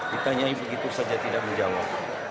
ditanyai begitu saja tidak menjawab